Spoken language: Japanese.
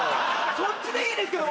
そっちでいいんですけど。